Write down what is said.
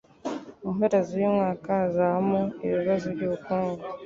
Mu mpera zuyu mwaka hazabaho ibibazo byubukungu.